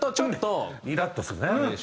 イラッとするね。